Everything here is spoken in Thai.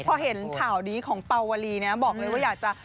พอเห็นข่าวนี้ของเป่าวลีนะบอกเลยว่าอยากจะ